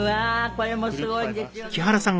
これもすごいですよね。